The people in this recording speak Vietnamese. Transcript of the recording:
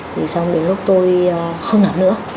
thì xong đến lúc tôi không nạp nữa